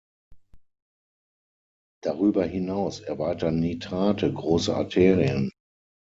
Darüber hinaus erweitern Nitrate große Arterien.